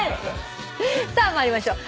さあ参りましょう。